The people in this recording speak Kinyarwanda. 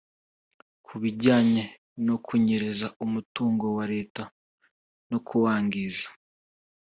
Ku bijyanye no kunyereza umutungo wa leta no kuwangiza